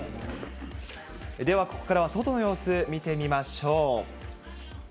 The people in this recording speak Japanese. ではここからは外の様子、見てみましょう。